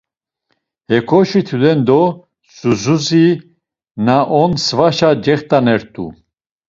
Hekoşi tudendo susuzi na on svaşa cext̆anert̆u.